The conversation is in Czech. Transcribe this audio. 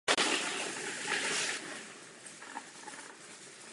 Kromě něj se zde také nalézá bývalý augustiniánský klášter.